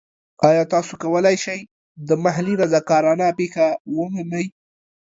ایا تاسو کولی شئ د محلي رضاکارانه پیښه ومومئ؟